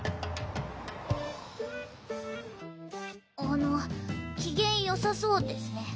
あの機嫌よさそうですね。